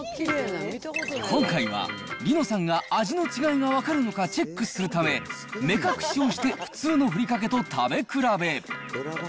今回は、梨乃さんが味の違いが分かるのかチェックするため、目隠しをして普通のふりかけと食べ比べ。